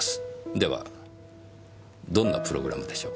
ではどんなプログラムでしょう？